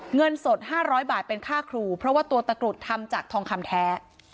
เงินสด๕๐๐บาทเป็นค่าครูเพราะว่าตัวตะกรุดทำจากทองคำแท้